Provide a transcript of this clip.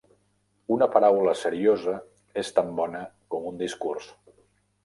Una paraula seriosa és tan bona com un discurs.